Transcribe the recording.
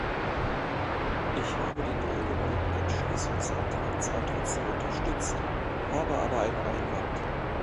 Ich habe den allgemeinen Entschließungsantrag zwar trotzdem unterstützt, habe aber einen Einwand.